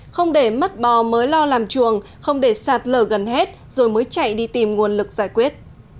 không để mất bò mới lo làm chuồng không để sạt lở gần hết rồi mới chạy đi tìm nguồn lực giải quyết